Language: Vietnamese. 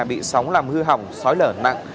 bị sóng làm hư hỏng sói lở nặng